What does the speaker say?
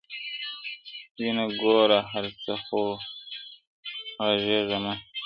وينـه ګـوره هـر څـه خـو غــږېـــــــــــــــږه مـه